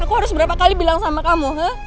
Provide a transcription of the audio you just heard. aku harus berapa kali bilang sama kamu